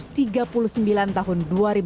dan tiga puluh sembilan tahun dua ribu sembilan